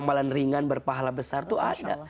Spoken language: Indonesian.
yang amalan ringan berpahala besar itu ada